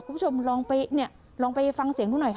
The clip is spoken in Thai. คุณผู้ชมลองไปเนี่ยลองไปฟังเสียงดูหน่อยค่ะ